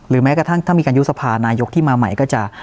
แม้กระทั่งถ้ามีการยุบสภานายกที่มาใหม่ก็จะ